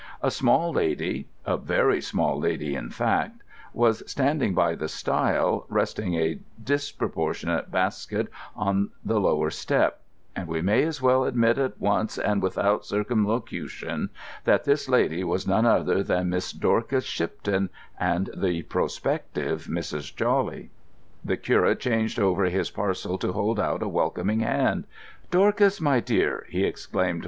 A small lady—a very small lady, in fact—was standing by the stile, resting a disproportionate basket on the lower step; and we may as well admit, at once and without circumlocution, that this lady was none other than Miss Dorcas Shipton and the prospective Mrs. Jawley. The curate changed over his parcel to hold out a welcoming hand. "Dorcas, my dear!" he exclaimed.